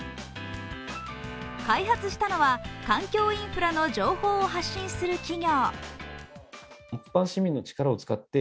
開発したのは環境インフラの情報を発信する企業。